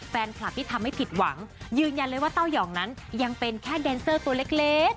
แฟนคลับที่ทำให้ผิดหวังยืนยันเลยว่าเต้ายองนั้นยังเป็นแค่แดนเซอร์ตัวเล็ก